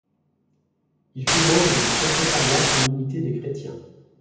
Il fut membre du Secrétariat pour l'unité des chrétiens.